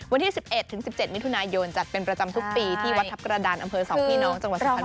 วันที่๑๑ถึง๑๗มิถุนายนจัดเป็นประจำทุกปีที่วัดทัพกระดานอำเภอ๒พี่น้องจังหวัดสุพรรณ